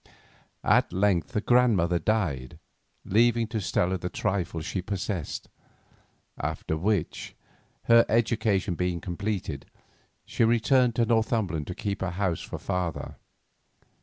At length the grandmother died, leaving to Stella the trifle she possessed, after which, her education being completed, she returned to Northumberland to keep house for her father.